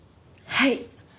はい。